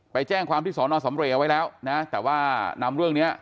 ไปแจ้งความที่สอนอสำเรย์เอาไว้แล้วนะแต่ว่านำเรื่องนี้